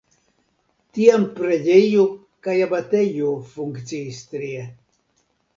Tiam preĝejo kaj abatejo funkciis tie.